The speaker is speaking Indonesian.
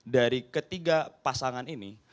dari ketiga pasangan ini